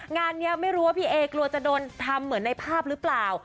งานนี้ไม่รู้ว่าพี่เอกลัวจะโดนทำเหมือนในภาพหรือเปล่า